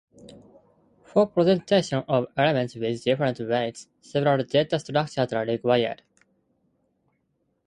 For presentation of elements with different weights, several data structures are required.